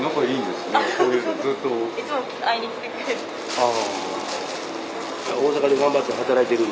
ああ。